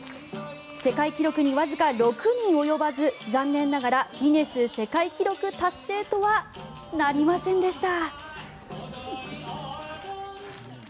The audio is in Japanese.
世界記録にわずか６人及ばず残念ながらギネス世界記録達成とはなりませんでした。